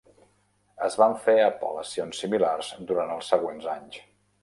Es van fer apel·lacions similars durant els següents anys.